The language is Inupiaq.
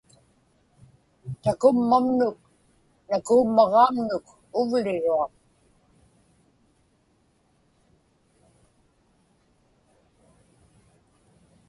Takummamnuk nakuummagaamnuk uvliruaq.